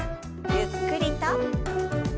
ゆっくりと。